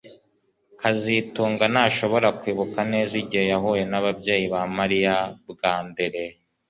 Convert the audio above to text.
kazitunga ntashobora kwibuka neza igihe yahuye nababyeyi ba Mariya bwa mbere